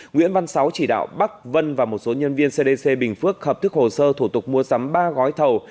nguyễn văn sáu chỉ đạo bắc vân và một số nhân viên cdc bình phước hợp thức hồ sơ thủ tục mua sắm ba gói thầu